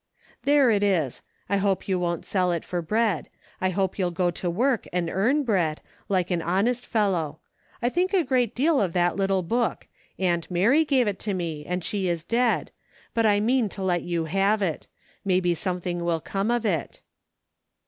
" There it is. I hope you won't sell it for bread. I hope you'll go to work and earn bread, like an honest fellow. I think a great deal of that little book ; Aunt Mary gave it to me, and she is dead ; but I mean to let you have it. Maybe something will come of it."